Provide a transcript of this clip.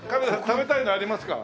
食べたいのありますか？